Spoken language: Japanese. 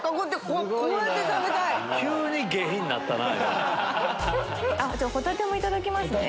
ホタテもいただきますね。